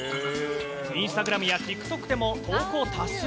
インスタグラムやＴｉｋＴｏｋでも投稿多数。